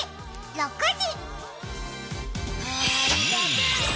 ６時！